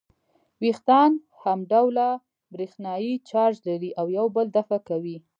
وېښتان همډوله برېښنايي چارج لري او یو بل دفع کوي.